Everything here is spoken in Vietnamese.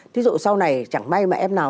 ví dụ sau này chẳng may mà em nào